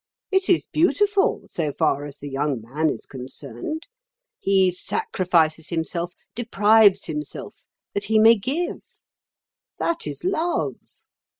It is beautiful—so far as the young man is concerned. He sacrifices himself, deprives himself, that he may give. That is love.